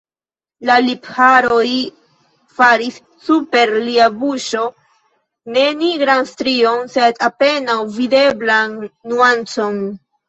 La lipharoj faris super lia buŝo ne nigran strion, sed apenaŭ videblan nuancon.